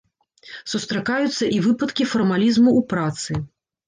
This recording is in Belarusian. Сустракаюцца і выпадкі фармалізму ў працы.